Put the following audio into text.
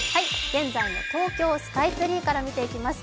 現在の東京スカイツリーから見ていきます。